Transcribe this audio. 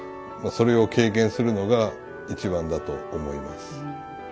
まあそれを経験するのが一番だと思います。